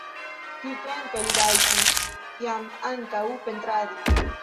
Tiutempe li rajtis jam ankaŭ pentradi.